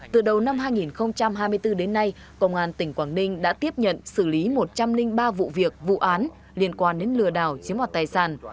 từ đầu năm hai nghìn hai mươi bốn đến nay công an tỉnh quảng ninh đã tiếp nhận xử lý một trăm linh ba vụ việc vụ án liên quan đến lừa đảo chiếm hoạt tài sản